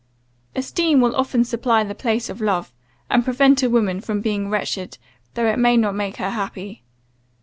Esteem will often supply the place of love; and prevent a woman from being wretched, though it may not make her happy.